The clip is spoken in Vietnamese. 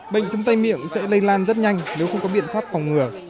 bệnh chân tay miệng sẽ lây lan rất nhanh nếu không có biện pháp phòng ngừa